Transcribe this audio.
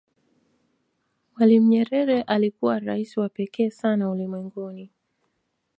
mwalimu nyerere alikuwa rais wa pekee sana ulimwenguni